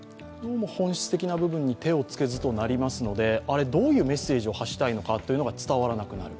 本質的な部分に手をつけずになりますので、どういうメッセージを発したいのかが伝わらなくなる。